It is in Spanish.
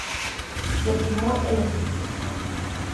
Se filmó en Egipto.